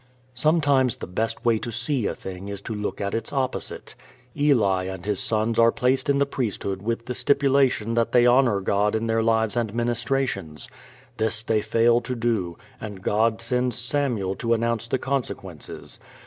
Sometimes the best way to see a thing is to look at its opposite. Eli and his sons are placed in the priesthood with the stipulation that they honor God in their lives and ministrations. This they fail to do, and God sends Samuel to announce the consequences.